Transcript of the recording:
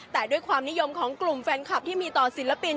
แต่ด้วยความนิยมของกลุ่มแฟนคลับที่มีต่อศิลปิน